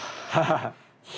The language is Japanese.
ハハハ。